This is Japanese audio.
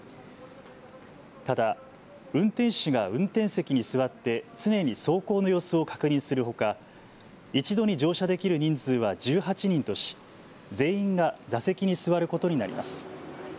ただ運転手が運転席に座って常に走行の様子を確認するほか一度に乗車できる人数は１８人とし全員が座席に座ることになります。